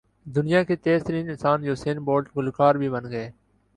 دنیا کے تیز ترین انسان یوسین بولٹ گلو کار بھی بن گئے